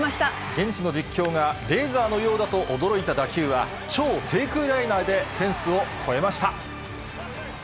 現地の実況がレーザーのようだと驚いた打球は、超低空ライナーでフェンスを越えました。